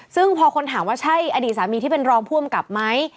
ซึ่งพอคนถามว่าใช่อดีตสามีที่เป็นรองผู้อำกับไหม